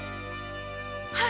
はい。